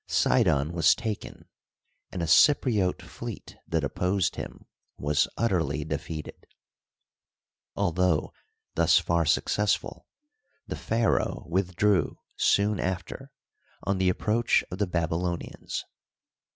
Sidon was taken, and a Cypriote fleet that opposed him was utterly defeated. Although thus far successful, the pharaoh withdrew soon after, on the approach of the Babylonians.